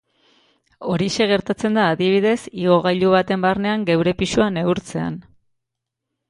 Horixe gertatzen da, adibidez, igogailu baten barnean geure pisua neurtzean.